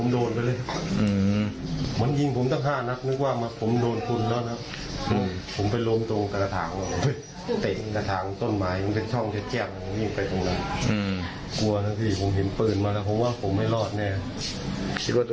ไม่ได้กลับบ้านนะตอนนั้นเราแผนทางอะไรอยู่